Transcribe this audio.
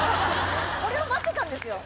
これを待ってたんですよ。